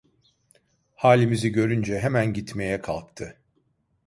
Halimizi görünce hemen gitmeye kalktı.